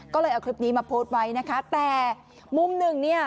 ก็เลยเอาคลิปนี้มาโพสต์ไว้นะคะแต่มุมหนึ่งเนี่ย